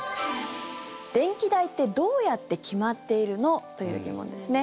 電気代ってどうやって決まっているの？という疑問ですね。